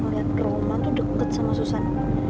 ngeliat roma tuh deket sama susan